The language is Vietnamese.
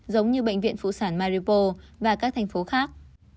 giống như bệnh viện phụ sản maripo và các thành phố khác